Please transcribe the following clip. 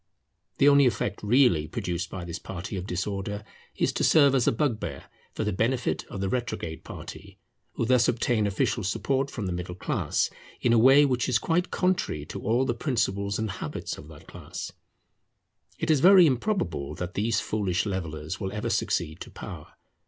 The only effect really produced by this party of disorder, is to serve as a bugbear for the benefit of the retrograde party, who thus obtain official support from the middle class, in a way which is quite contrary to all the principles and habits of that class. It is very improbable that these foolish levellers will ever succeed to power.